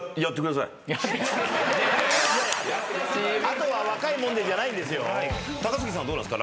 「あとは若いもんで」じゃないんですよ！